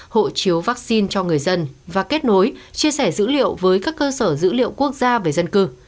hộ chiếu vaccine cho người dân và kết nối chia sẻ dữ liệu với các cơ sở dữ liệu quốc gia về dân cư